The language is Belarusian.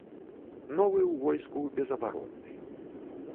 Новы ў войску безабаронны.